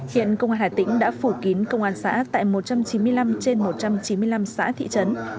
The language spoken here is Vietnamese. hiện công an hà tĩnh đã phủ kín công an xã tại một trăm chín mươi năm trên một trăm chín mươi năm xã thị trấn